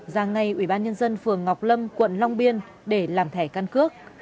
ra ngay ủy ban nhân dân phường ngọc lâm quận long biên để làm thẻ căn cước